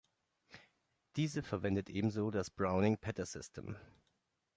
Diese verwendet ebenso das Browning-Petter-System.